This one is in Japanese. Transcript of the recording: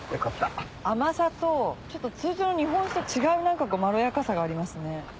甘さと通常の日本酒と違うまろやかさがありますね。